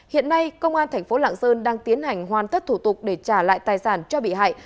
hiện nay công an thành phố lạng sơn đang tiến hành hoàn tất thủ tục để trả lại tài sản cho bị hại